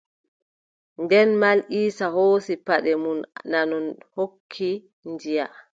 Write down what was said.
Nden Mal Iisa hoosi paɗe mon nanu hokki Diya.